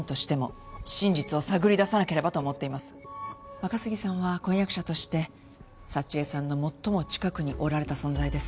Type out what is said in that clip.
若杉さんは婚約者として佐知恵さんの最も近くにおられた存在です。